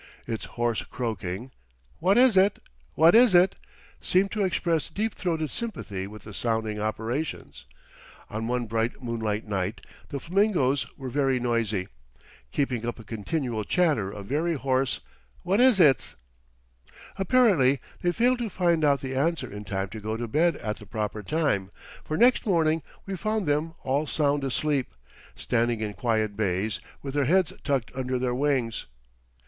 Its hoarse croaking, "What is it," "What is it," seemed to express deep throated sympathy with the sounding operations. On one bright moonlight night the flamingoes were very noisy, keeping up a continual clatter of very hoarse "What is it's." Apparently they failed to find out the answer in time to go to bed at the proper time, for next morning we found them all sound asleep, standing in quiet bays with their heads tucked under their wings.